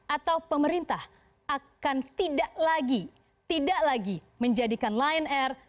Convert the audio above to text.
atau pemerintah akan tidak lagi tidak lagi menjadikan lion air